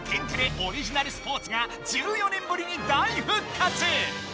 オリジナルスポーツが１４年ぶりに大復活！